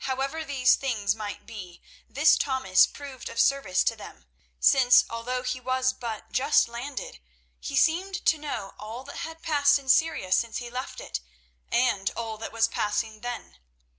However these things might be, this Thomas proved of service to them, since, although he was but just landed, he seemed to know all that had passed in Syria since he left it, and all that was passing then.